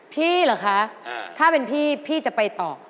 เหรอคะถ้าเป็นพี่พี่จะไปต่อ